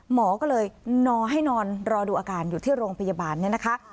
หมอก็เลยนอนให้นอนรอดูอาการอยู่ที่โรงพยาบาลเนี่ยนะคะ